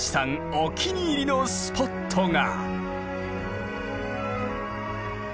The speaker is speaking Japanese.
お気に入りのスポットが。